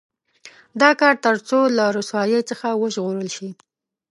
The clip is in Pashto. دا کار تر څو له رسوایۍ څخه وژغورل شي.